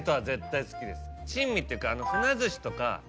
珍味っていうか。